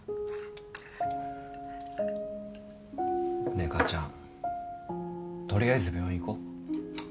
ねえ母ちゃん取りあえず病院行こう。